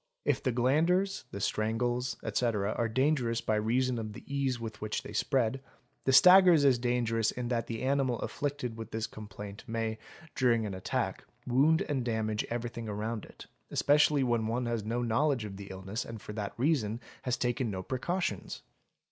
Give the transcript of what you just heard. If the glanders, the strangles, etc., are dangerous by reason of the ease with which they spread, the staggers.is dangerous in that the animal afflicted with this complaint may, during an attack, wound and damage everything around it, especially when one has no knowledge of the illness, and for that reason has taken no precautions.